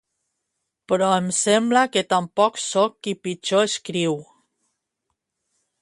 Però em sembla que tampoc soc qui pitjor escriu